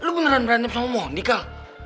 ka lu beneran berantem sama mondi kal